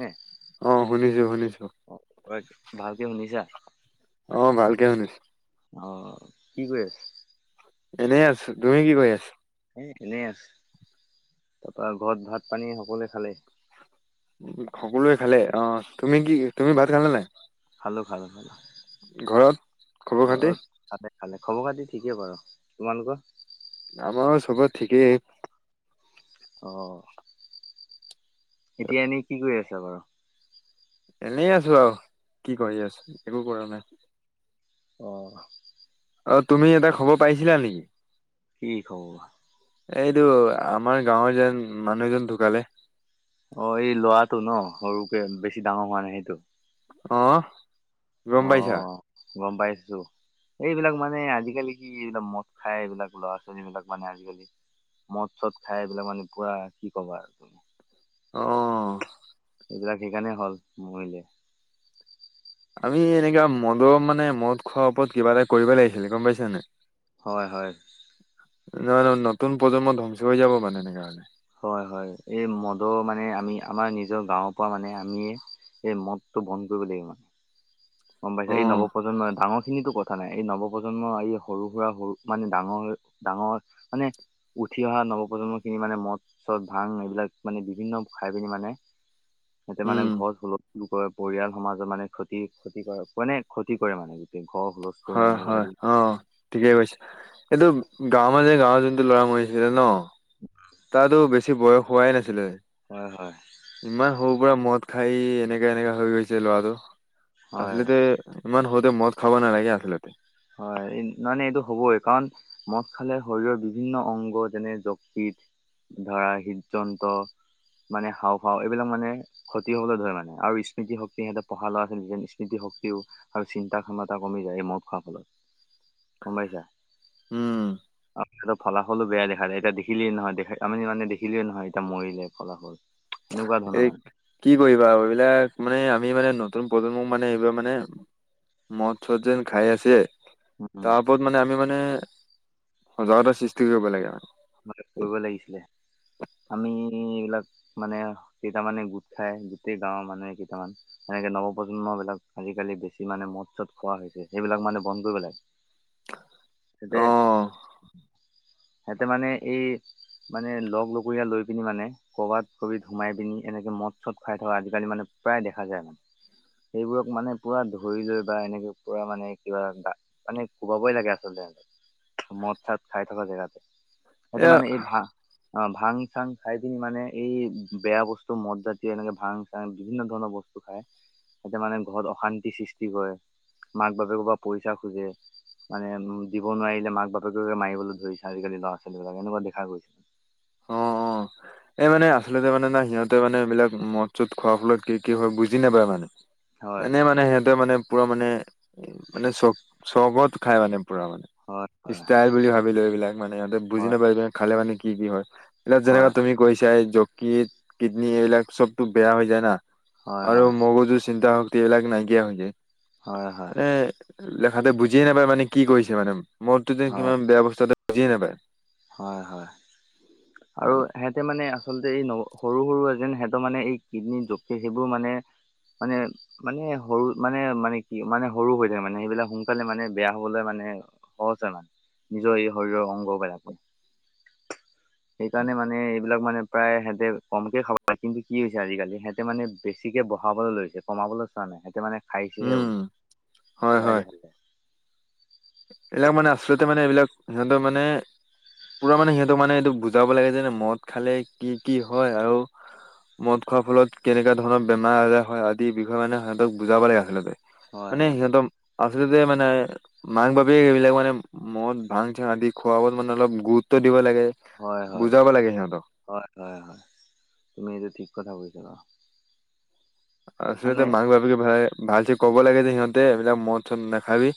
নে অ' শুনিছো শুনিছো। অ তই ভালকে শুনিছা অ' ভালকে শুনিছো। অ' কি কৰি আছে? এনেই আছো তুমি কি কৈ আছ? ই এনে আছো, তাৰ পৰা ঘৰত ভাত পানী সকলোৱে খালে? উম, সকলোৱে খালে, অ' তুমি কি তুমি ভাত খালানে নাই? খালো, খালো, খালো। ঘৰত খবৰ খাতি? ঘৰত খালে খালে, খবৰ খাতি ঠিকেই বাৰু তোমালোকৰ? আমাৰো চবৰে ঠিকেই। অ'। এতিয়া এনেই কি কৰি আছা বাৰু? এনেই আছো আৰু কি কৰি আছো একো কৰা নাই। অ'। অ' তুমি এটা খবৰ পাইছিলা নেকি? কি খবৰ বা? এইটো আমাৰ গাঁৱৰ যেন মানুহ এজন ঢুকালে। অ' এই ল'ৰাটো ন সৰুকে বেছি ডাঙৰ হোৱা নাই সেইটো অ' গম পাইছা অ' গ'ম পাইছো। এইবিলাক মানে আজিকালি কি এইবিলাক মদ খাই এইবিলাক ল'ৰা ছোৱালী বিলাক মানে আজিকালি মদ চদ খাই এইবিলাক মানে পুৰা কি ক'বা আৰু অ' এইবিলাক সেইকাৰণে হ'ল মৰিলে। আমি এনেকুৱা মদৰ মানে মদ খোৱাৰ ওপৰত কিবা এটা কৰিব লাগিছিলে গ'ম পাইছনে নাই। হয়, হয়। নহয় নহয় নতুন প্ৰজন্ম ধ্বংস হৈ যাব মানে এনেকা হ'লে। হয়, হয় এই মদৰ মানে আমি আমাৰ নিজৰ গাঁৱৰ পৰা মানে আমিয়ে এই মদতটো বন্ধ কৰিব লাগিব গ'ম পাইছে, অ এই নৱপ্ৰজন্মই ডাঙৰ খিনিতো কথা থা নাই এই নৱপ্ৰজন্মৰ এই সৰু সুৰা সৰু মানে ডাঙৰ ডাঙৰ মানে উঠি অহা নৱপ্ৰজন্মখিনি মানে মদ চদ ভাং এইবিলাক মানে বিভিন্ন খাই পিনি মানে সিঁহতে মানে উম ঘৰত হুল স্থুল কৰে, পৰিয়াল সমাজৰ মানে ক্ষতি ক্ষতি কৰে মানে ক্ষতি কৰে মানে গোটেই ঘৰ হুলস্থ হয়, হয় অ' ঠিকেই কৈছে। এইটো গাওঁৰ মাজে গাওঁ যোন ল'ৰা মৰিছিলে ন' তাতো বেছি বয়স হোৱাই নাছিলে। হয়, হয়। ইমান সৰু পৰা মদ খাই এনেকা এনেকা হৈ গৈছে ল'ৰাটো হয় আচলতে ইমান সৰুতে মদ খাব নালাগে আছলতে। হয়, নহ, নাই এইটো হ'বই কাৰণ মদ খালে শৰীৰৰ বিভিন্ন অংগ যেনে যকৃত ধৰা হৃদ যন্ত্ৰ মানে হাওফাও এইবিলাক মানে ক্ষতি হ'বলৈ ধৰে মানে আৰু স্মৃতি শক্তি সিহঁতে পঢ়া ল'ৰা আছিল স্মৃতি শক্তিও আৰু চিন্তা ক্ষমতা কমি যায় মদ খোৱাৰ ফলত গম পাইছা। উম ফলাফলটো বেয়া দেখা যায় এয়া দেখিলিয়ে নহয় দেখ আমি মানে দেখিলেইে নহয় এতিয়া মৰিলে ফলাফল সেনেকুৱা ধৰণৰ এই মানে কি কৰিবা আৰু এইবিলাক মানে আমি মানে নতুন প্ৰজন্ম মানে এইবিলাক মানে মদ, চদ যেন খাই আছে। উম, তাৰ ওপৰত মানে আমি মানে সজাগতাৰ সৃষ্টি কৰিব লাগে। ম [unintelligible] কৰিব লাগিছিলে। আমি এইবিলাক মানে কেইটামানে গোট খাই, গোটেই গাঁওৰ মানুহে কেইটামান সেনেকে নৱপ্ৰজন্ম বিলাক আজিকালি বেছি মানে মদ, চদ খোৱা হৈছে সেইবিলাক মানে বন্ধ কৰিব লাগে। অ তেতিয়া তাতে মানে এই মানে লগ লগৰীয়া লৈ পিনি মানে ক'ৰবাত কবি সোমাই পিনি এনেকে মদ চদ খুৱাই থকা আজিকালি মানে প্ৰায় দেখা যায় মানে সেইবোৰক মানে পুৰা ধৰি লৈ বা এনেকে পুৰা মানে কিবা এটা মানে কোবাবই লাগে আচলতে সিহঁতে মদ চদ খাই থকা জেগাতে সিঁহতে এ মানে অ এই ভা অ, ভাং, চাং খাই পিনি মানে এই বেয়া বস্তু মদ জাতীয় এনেকে ভাং, চাং বিভিন্ন ধৰণৰ বস্তু খাই এতিয়া মানে ঘৰত অশান্তি সৃষ্টি কৰে মাক-বাপেকৰ পৰা পইচা খোজে। মানে উ, দিব নোৱাৰিলে মাক-বাপেকে মাৰিবলৈ ধৰিছে আজিকালি ল'ৰা-ছোৱালী বিলাক এনেকুৱা দেখা গৈছে। অ [inaudible] এই মানে আচলতে মানে না সিহঁতে মানে এইবিলাক মদ-চদ খোৱাৰ ফলত কি, কি হয় বুজি নাপায় মানে হয় এনে মানে সিহঁতে মানে পুৰা মানে মানে চ, চৰবত খায় মানে পুৰা মানে হয় ষ্টাইল বুলি ভাবিলো এইবিলাক মানে সিহঁতে বুজি হয় নাপালো খালে মানে কি, কি হয় এইবিলাক যেনেককা হয় তুমি কৈছা যকৃত কিডনী এইবিলাক চবতো বেয়া হৈ যায় না হয় হয় আৰু মগজু চিন্তা শক্তি এইবিলাক নাইকিয়া হৈ যায়। হয়, হয়। মানে লেখাতে বুজিয়ে নাপায় মানে কি কৰিছে মানে মোৰতো যে হয় কিমান বেয়া বস্তু এ বুজিয়ে নাপায়। হয়, হয় আৰু সিহঁতে মানে আচলতে এই ন সৰু, সৰু এ যেন সিহঁতৰ মানে এই কিডনী জে সেইবোৰ মানে, মানে মানে সৰু মানে, মানে কি মানে সৰু হৈ থাকে মানে সেইবিলাক সোনকালে মানে বেয়া হবলৈ মানে সহজে মানে নিজৰ এই শৰীৰৰ অংগবিলাকো সেইকাৰণে মানে এইবিলাক মানে প্ৰায় সিহঁতে কমকে খাব লাগে কিন্তু কি হৈছে আজিকালি সিহতে তে মানেছিকৈ বহাবলৈ লৈছে কমাবলৈ চোৱা নাই সেঁতে মানে খাইছে সে উম উলটা হয় প হয় দে খালতে এইবিলাক মানে আচলতে মানে এইবিলাক সিহঁতৰ মানে পুৰা মানে সিহঁতক মানে এইটো বুজাব লাগে যে মদ খালে কি, কি হয় আৰু মদ খোৱাৰ ফলত কেনেককা ধৰণৰ বেমাৰ, আজাৰ হয় আদিৰ বিষয়ে মানে সিহঁতক বুজাব লাগে আচলতে। হয় মানে হয় সিহঁতম আচলতে মানে মায়েক, বাপেক স, সেইবিলাক মানে মদ ভাং, চাং আদি খোৱ ব মানে অলপ গুৰুত্ব দিব লাগে। হয়, হয়, বুজাব লাগে সিহঁতক হয়, হয়, হয়, তুমি এইটো ঠিক কথা কৈছা। মানে আচলতে মাক বাপেকে ভাল, ভালছে কব লাগে যে সিহঁতে এইবিলাক মদ, চত নাখাবি।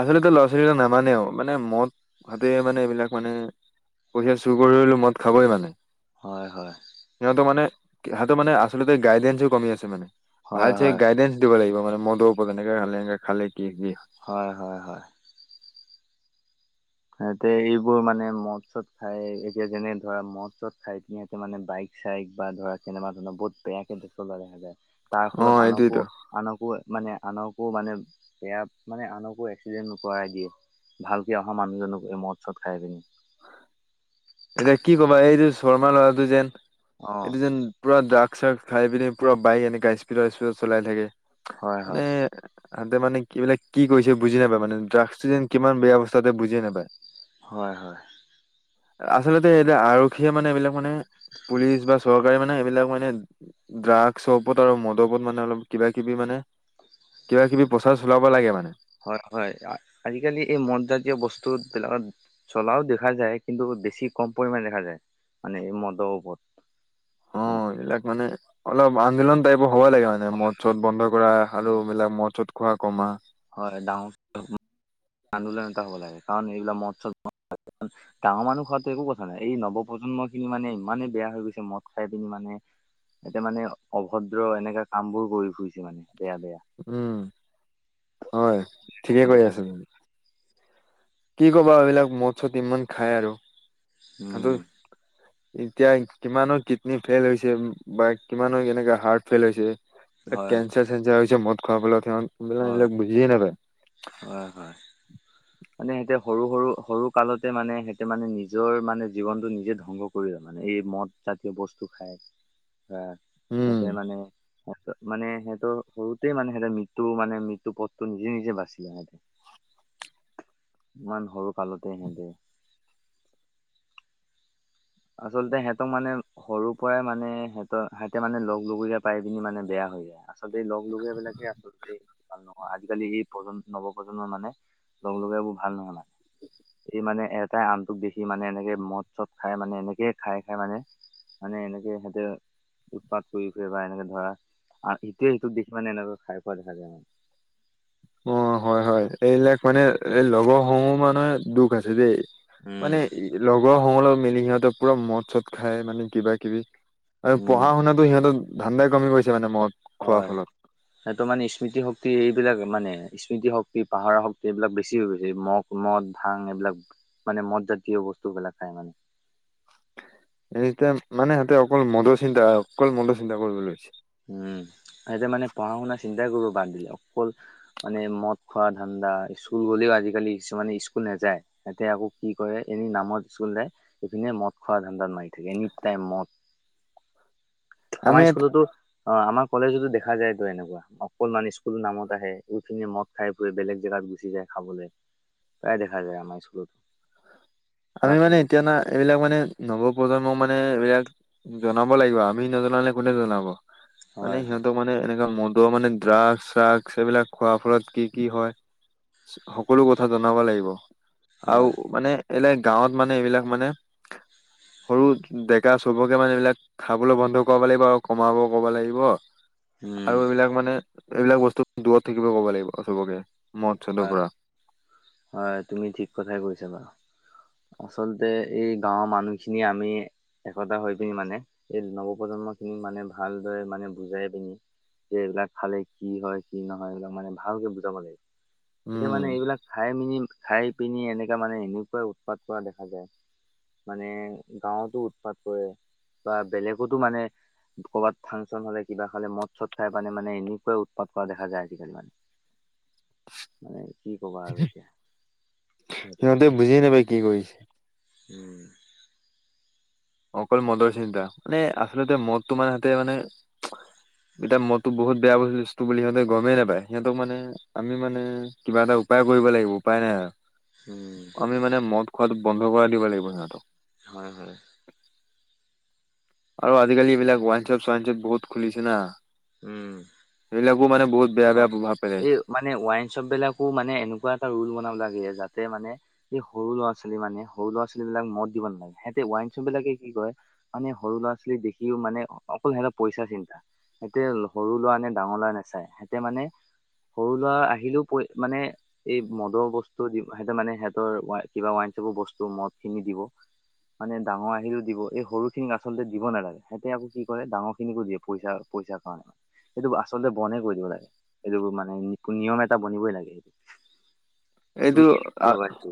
আচলতেটো ল'ৰা-ছোৱালীটো নামানেও মানে মদ হাতে মানে এইবিলাক মানে পঢঠিয়া চুৰ কৰিলো মদ খাবই মানে। হয় হয় সিহঁতৰ মানে সহত মানে আচলতে গাইডেঞ্চো কমি আছে মানে ভাল হয় চ হয় গাইডেন্ঞ্চ দিব লাগিব মানে মদৰ ওপৰত কেনেকে খালে এনেকে খালে কি হয় হয় হয় সহতে এইবোৰ মানে মৎ চত খাই এতিয়া যেনে ধৰা মৎ চত খাই মানে বাইক চাইক বা ধৰা কেনেবা ধৰণৰ বহুত বেয়াকে চলোৱা দেখা যায় তাৰ অ ফলত আনকো এইটোয়েতো আনকো মানে আনকো মানে বেয়া মানে আনকো এক্সিডেণ্ট কৰাই দিয়ে ভালকে অহা মানুহজনক এই মদ চদ খাই পিনি এতিয়া কি কবা এইটো শৰ্মা ল'ৰাটো যেন অ', এইটো যেন পুৰা ড্ৰাগ চাগ খাই পিনি পুৰা বাইক এনেকাা স্পিডৰ স্পিডত চলাই থাকে হয় মানে হয় তহতোনে এইবিলাক কি কৰিছে বুজি নাপায় মানে ড্ৰাগছটো যেন কিমান বেয়া অৱস্থা তাতে বুজিয় নাপায় হয় হয় আচলতে এইতিয়া আৰক্ষীয়ে মানে এইবিলাক মানে পুলিচ বা চৰকাৰে মানে এইবিলাক মানে ড্ৰাগছৰ ওপৰত আৰু মদত মানে অলপ কিবা কিবি মানে কিবা কিবি প্ৰচাৰ চলাব লাগে মানে হয় হয় আজিকালি এই মদ জাতীয় বস্তু বিলাকত চলাও দেখা যায় কিন্তু বেছি কম পৰিমামানে দেখা যায় মানে এই মদৰ ওপৰত অ মানে। এইবিলাক মানে অলপ আন্দোলন টাইপৰ হ'ব লাগে মানে মানে ম চত বন্ধ কৰা আলু বিলাক ম চত খোৱা কমা হয় ডাঙ আন্দোলন এটা হব লাগে কাৰণ এইগিলা মৎস ডাঙৰ মানুহ খোৱাাতো একো কথা নাই এই নৱপ্ৰন্ম খিনি মানে ইমানেই বেয়া হৈ গৈছে মদ খাই পিনি মানে এয়া মানে অভদ্ৰ এনেকা কাম বোৰ কৰি ফুৰিছে মানে বেয়া বেয়া উম হয় ঠিকে কৰি দেখা আছেি যায় কি ক'বা এইবলাক মদ চ ইমান খাই আৰু সহত উম এতিয়া কিমানো কিডনী ফেইল হৈছে বা কিমানো কেনেকে হাৰ্ট ফেইল হৈছে হয় কেঞ্চাৰ চেঞ্চাৰ মদ খৰা হয় হল বুজিে নাপাই হয় হয় মানে সিহঁতে সৰু সৰু সৰু কালতে মানে সিহঁতে মানে নিজৰ মানে জীৱনটো নিজে ধ্বংস কৰি লয় মানে এই মদ জাতীয় বস্তু খায় হ উম সিহতে মানে সহ মানে সিহত সৰুতে মানে সিহঁতে ম মানে মৃত্যুত্ৰ নিজে নিজে বাচি যা সতে ইমান সৰু কালতে হেতে আচলতে সিহঁতক মানে সৰু পৰাই মানে সিহঁত সিহঁতে মানে লগে পাই পিনি মানে বেয়া হৈ যায় আচলতে লগ লগেবিলাকে আচলতে ভাল নহয় আজিকালি এই প্ৰন্ নৱপ্ৰজন্মৰ মানে লগ লগেবোৰ ভাল নহানাই এই মানে এটাই আনটোক দেখি মানে এনেকে মদ চদ খাই মানে এনেকে খাই খাই মানে মানে এনেকে সিহঁতে উৎপাত কৰি ফুৰে বা এনেকে ধৰা আৰু ইেইটোৱে সেইটোোক দেখ মান এনেকৈ খাই পোৱা দেখা যায় মানে অ হয় হয় এইবিলাক মানে এই লগৰ সমহ মানহে দুখ আছে দেই উম মানে লগৰ সহ মিলি সিহঁতে পুৰা মদ চদ খায় মানে কিবা কিবি আৰু উম পঢ়া শুনাতো সিহঁতৰ ধানণ্দাই কমি গৈছে মানে মৰত হয় সেইটো মানে স্মৃতি শক্তি এইবিলাক মানে স্মৃতি শক্তি পাহাৰ শক্তি এইবিলাক বেছি হৈ গৈছে মহ মদ ভাং এইবিলাক মানে মদ জাতীয় বস্তুবিলাক খাই মানে এনেতে মানে সিহঁতে অকল মদৰ চিন্তা অকল মদৰ চিন্তা কৰিবলৈ লৈছে উম সিহতে মানে পঢ়া শুনা চিন্তা কৰো বাদ দিলে অকল মানে মদ খোৱা ধ্া স্কুল গ'লেও আজিকালি কিছুমানে স্কুল নাযায় তহঁতে আকৌ কি কৰে এনে নামত স্কুল যায় সপিনে মদ খোৱা ধানদাত মাৰি থাকে এনি টাইম মদ আমি আমাৰ এটা স্কুলতো অ আমাৰ কলেজতো দেখা যায় তো এনেকুৱা অকনমান স্কুলো নামত আহে এইখিনে মত, খাই পুৰে বেলেগ জেগাত গুচি যায় খাবলৈ। প্ৰায় দেখা যায় আমাৰ ইস্কুলত। আমি মানে এতিয়া না, এইবিলাক মানে নৱপ্ৰজন্ম মানে এইবিলাক জনাব লাগিব। আমি নজনালে কোনে জনাব? মানে হয় হয় সিহঁতক মানে এনেকুৱা মনটো মানে ড্ৰাগছ চ্ৰাগ এইবিলাক খোৱাৰ ফলত কি কি হয় সকলো কথা জনাব লাগিব হয় আৰু মানে এ বিলাক গাঁৱত মানে, এইবিলাক মানে সৰু ডেকা চবকে মানে এইবিলাক খাবলৈ বন্ধ কৰিব লাগিব আৰু কমাব কব লাগিব। উম আৰু এইবিলাক মানে, এইবিলাক বস্তু দূৰত থাকিব ক'ব লাগিব। চবকে মদ- চদৰ হয় পৰা হয় তুমি ঠিক কথাই কৈছা বাৰু, আচলতে, এই গাঁৱৰ মানুহখিনি আমি একতা হৈ পিনি মানে এই নৱপ্ৰজন্ম খিনিক মানে, ভালদৰে মানে বুজাই পিনি যে এইবিলাক খালে কি হয়, কি নহয়, এইবিলাক মানে ভালকে বুজাব লাগে। তেতিয়া উম মানে এইবিলাক খাই মিনি, খাই পিনি, এনেকা মানে এনেকুৱাই উৎপাত কৰা দেখা যায়। মানে গাঁৱতো উৎপাত কৰে বা বেলেগতো মানে কবাত ফাংচন হ'লে কিবা খালে মদ চদ খাই পানে মানে, এনেকোৱাই উৎপাত কৰা দেখা যায় আজিকালি মানে মানে কি ক'বা আৰু এতিয়া সেইটো। সিহঁতে বুজিয়ে নাপায় কি কৰিছে উম অকল মদৰ চিন্তা, মানে আচলতে মদটো মানে সিহঁতে মানে এতিয়া মদটো বহুত বেয়া বস্তু হৈছে টো বুলি সিহঁতে গমেই নাপায় সিহঁতক মানে আমি মানে কিবা এটা উপায় কৰিব লাগিব উপায় নাই আৰু উম, আমি মানে মদ খোৱাটো বন্ধ কৰা দিব লাগিব সিহঁতক। হয় হয়। আৰু আজিকালি এইবিলাক ৱাইনচপ- ছোৱাইন চপ বহুত খুলিছে না। উম। সেইবিলাকো মানে বহুত বেয়া অ, বেয়া প্ৰভাৱ এই পেলাইছে মানে ৱাইন শ্বপ বিলাকো মানে এনেকুৱা এটা ৰোল বনাব লাগে, যাতে মানে এই সৰু ল'ৰা ছোৱালী মানে সৰু ল'ৰা ছোৱালী বিলাক মদ দিব নালাগে সিহঁতে ৱাইনছপ বিলাকে কি কয়, মানে সৰু ল'ৰা ছোৱালীক দেখিও মানে অকল সিহত পইচা চিন্তা। সিহঁতে সৰু ল'ৰা নে, ডাঙৰ ল'ৰা নাচায়, সিহঁতে মানে সৰু ল'ৰা আহিলেও প মানে এই মদৰ বস্তু সিহঁতে মানে, সিহঁতৰ কিবা ৱাইন চপৰ বস্তু মদ খিনি দিব। মানে ডাঙৰ আহিলেও দিব এই সৰু খিনিক আচলতে দিব নালাগে সেহঁতে আকৌ কি কৰে ডাঙৰ খিনিকো দিয়ে পইচা পইচাৰ কাৰণে, সেইটো আচলতে বনে কৰি দিব লাগে। সেইটোৰ মানে, নিয়ম এটা বনিবই লাগে। এইটো তুমি কি আ ভাবা এইটো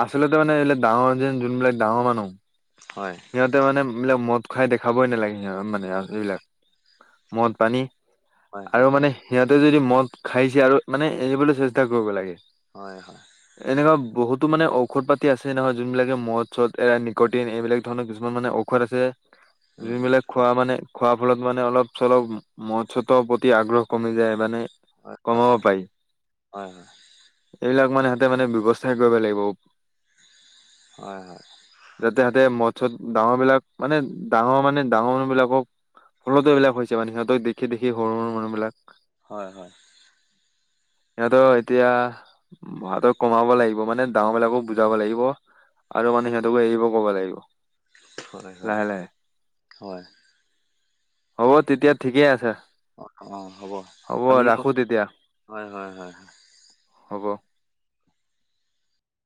আচলতে মানে এই ডাঙৰ যেন যোনবিলাক ডাঙৰ মানুহ, হয়। সিহঁতে মানে এইবিলাক মদ খাই দেখাবই নালাগে সিহঁতক মানে [unintelligible] মদ পানী হয় আৰু মানে সিহঁতে যদি মদ খাইছে আৰু মানে এৰিবলৈ চেষ্টা কৰিব লাগে। হয়- হয়। এনেকুৱা বহুতো মানে ঔষধ পাতি আছে নহয় যোনবিলাকে মদ চদ এৰাই নিকটিন এইবিলাক ধৰণৰ কিছুমান মানে ঔষধ আছে। যোনবিলাক খোৱা মানে খোৱাৰ ফলত মানে অলপ চলপ মদ চদৰ প্ৰতি আগ্ৰহ, কমি যায় মানে। হয়- হয়- কমাব পাৰি হয়- হয়। এইবিলাক মানে সিহঁতে মানে ব্যৱস্থাই কৰিব লাগিব। হয় হয় যাতে সহতে মদ- চদ ডাঙৰ বিলাক মানে ডাঙৰ মানে ডাঙৰ মানুহ বিলাকক, ফলতো এইবিলাক হৈছে মানে সিহতক দেখি, দেখি সৰু, সৰু মানুহবিলাক হয়, হয়, [inaudible] এতিয়া ভৰা়টো কমাব লাগিব মানে ডাঙৰবলাকো বুজাব লাগিব। আৰু মানে সিহঁতকো এৰিব কব লাগিব। হয়, হয়, লাহে লাহে হয়, হ'ব তেতিয়া ঠিকেই আছে। অ, অ, হ'ব হ'ব আমিও ৰাখো তেতিয়া হয়, হয়, হয়, হয়। হব।